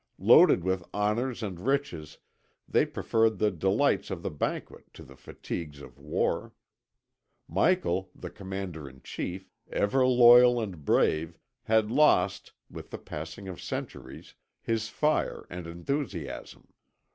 Loaded with honours and riches, they preferred the delights of the banquet to the fatigues of war. Michael, the commander in chief, ever loyal and brave, had lost, with the passing of centuries, his fire and enthusiasm.